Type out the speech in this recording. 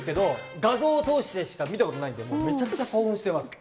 画像を通してでしか見たことないんですけれども、今興奮してます。